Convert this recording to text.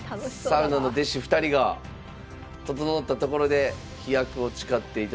サウナの弟子２人が整ったところで飛躍を誓っていただきましょう。